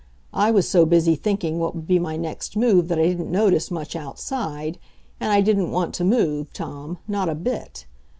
I was so busy thinking what would be my next move that I didn't notice much outside and I didn't want to move, Tom, not a bit.